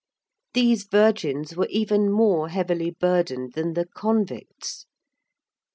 These virgins were even more heavily burdened than the convicts.